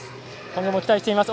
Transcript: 今後も期待しています。